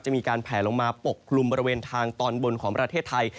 จะมีการแผลลงมาปกกลุ่มบริเวณทางตอนบนของประเทศไทย